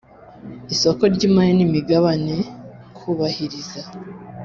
isoko ry imari n imigabane kubahiriza